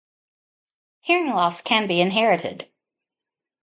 Hearing loss can be inherited.